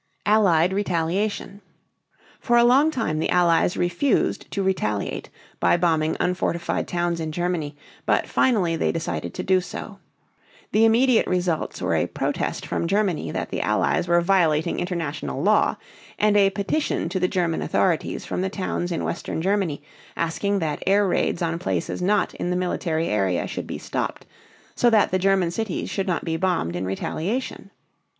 ALLIED RETALIATION. For a long time the Allies refused to retaliate by bombing unfortified towns in Germany, but finally they decided to do so. The immediate results were a protest from Germany that the Allies were violating international law, and a petition to the German authorities from the towns in western Germany, asking that air raids on places not in the military area should be stopped, so that the German cities should not be bombed in retaliation.